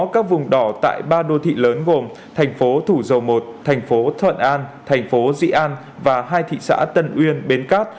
các vùng đỏ tại ba đô thị lớn gồm thành phố thủ dầu một thành phố thuận an thành phố dị an và hai thị xã tân uyên bến cát